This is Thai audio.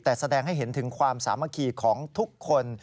แต่แสดงให้เห็นถึงความสามัคคีของทุกคน